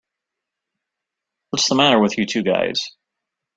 What's the matter with you two guys?